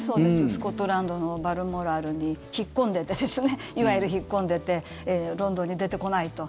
スコットランドのバルモラルに引っ込んでていわゆる引っ込んでてロンドンに出てこないと。